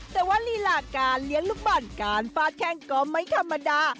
แต่ว่าลีลาการเลี้ยงลูกบอลการฟาดแข้งก็ไม่ธรรมดา